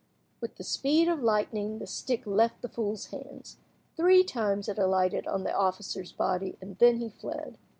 With the speed of lightning the stick left the fool's hands. Three times it alighted on the officer's body, and then he fled.